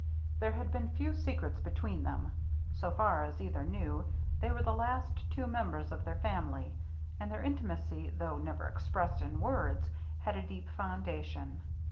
There had been few secrets between them. So far as either knew, they were the last two 78 THE MERRT ANNE members of their family, and their intimacy, though never expressed in words, had a deep foundation.